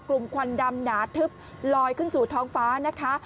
ควันดำหนาทึบลอยขึ้นสู่ท้องฟ้านะคะ